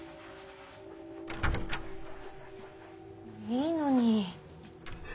いいのに。